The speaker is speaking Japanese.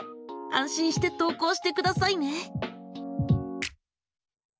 安心して投稿してくださいね！